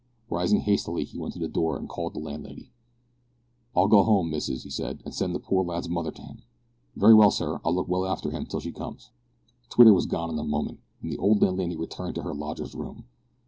Rising hastily he went to the door and called the landlady. "I'll go home, missis," he said, "and send the poor lad's mother to him." "Very well, sir, I'll look well after 'im till she comes." Twitter was gone in a moment, and the old landlady returned to her lodger's room.